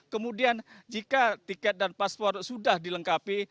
kemudian jika tiket dan paspor sudah dilengkapi